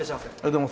どうも。